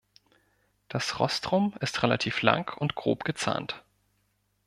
Das Rostrum ist relativ lang und grob bezahnt.